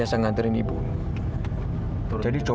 saya permisi ya